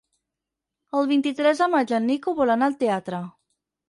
El vint-i-tres de maig en Nico vol anar al teatre.